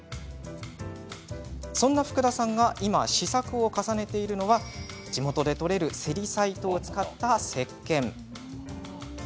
そんな福田さんが今、試作を重ねているのは地元で採れるセリサイトを使ったせっけん。